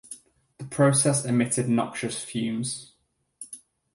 The process emitted noxious fumes.